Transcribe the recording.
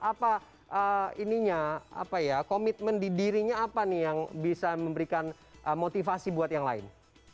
apa ya komitmen di dirinya apa nih yang bisa memberikan motivasi buat yang lain